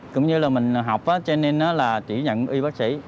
cũng như là mình học cho nên nó là chỉ nhận y bác sĩ